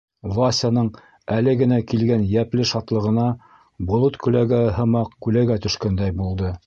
Васяның әле генә килгән йәпле шатлығына болот күләгәһе һымаҡ күләгә төшкәндәй булды.